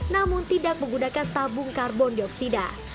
namun tidak menggunakan tabung karbon dioksida